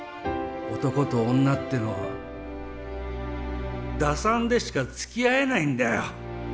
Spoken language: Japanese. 男と女ってのは打算でしかつきあえないんだよ！